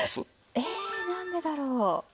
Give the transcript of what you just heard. えなんでだろう？